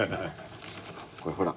これほら。